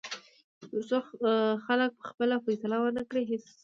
تر څو خلک پخپله فیصله ونه کړي، هیڅ بدلېږي.